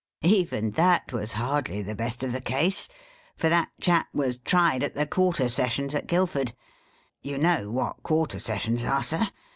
" Even that was hardly the best of the case, for that chap was tried at the Quarter Sessions at Guildford. You know what Quarter Sessions are, Sir.